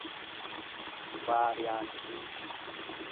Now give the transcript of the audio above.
vaariyaansii